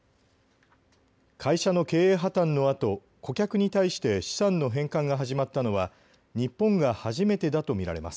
会社の経営破綻のあと顧客に対して資産の返還が始まったのは日本が初めてだと見られます。